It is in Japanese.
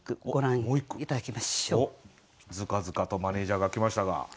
おっづかづかとマネージャーが来ましたが。